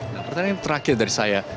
nah pertanyaan terakhir dari saya